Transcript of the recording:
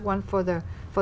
một vài tên mới